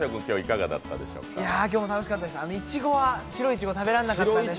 今日も楽しかったです。